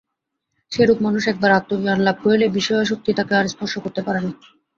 সেইরূপ মানুষ একবার আত্মজ্ঞান লাভ করিলে বিষয়াসক্তি তাকে আর স্পর্শ করতে পারে না।